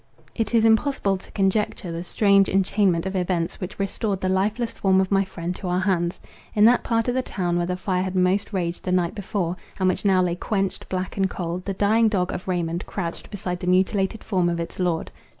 It is impossible to conjecture the strange enchainment of events which restored the lifeless form of my friend to our hands. In that part of the town where the fire had most raged the night before, and which now lay quenched, black and cold, the dying dog of Raymond crouched beside the mutilated form of its lord.